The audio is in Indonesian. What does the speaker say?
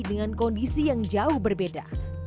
dengan kondisi yang jauh berbeda